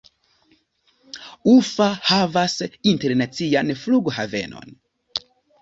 Ufa havas internacian flughavenon.